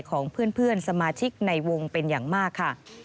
ของเพื่อนสมาชิกในวงเป็นอย่างมากค่ะ